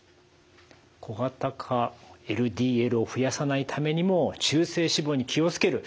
小型化ＬＤＬを増やさないためにも中性脂肪に気を付ける。